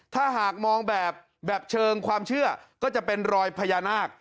ถ้าหากมองแบบเชิงความเชื่อก็จะเป็นรอยพญานาค